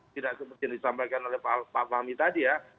tidak seperti yang disampaikan oleh pak fahmi tadi ya